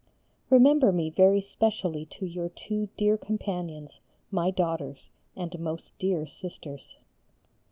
Remember me very specially to your two dear companions, my daughters, and most dear Sisters.